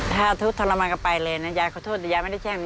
ถ้าทุกข์ทรมานก็ไปเลยนะยายขอโทษยายไม่ได้แช่ง